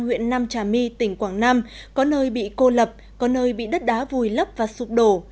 huyện nam trà my tỉnh quảng nam có nơi bị cô lập có nơi bị đất đá vùi lấp và sụp đổ